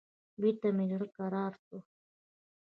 بېرته مې زړه کرار سو.